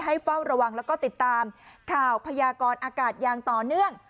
เฝ้าระวังแล้วก็ติดตามข่าวพยากรอากาศอย่างต่อเนื่อง